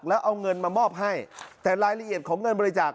แล้วเอาเงินมามอบให้แต่รายละเอียดของเงินบริจาค